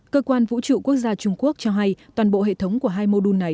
cơ quan vũ trụ quốc gia trung quốc cho hay toàn bộ hệ thống của hai mô đun này